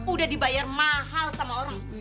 udah dibayar mahal sama orang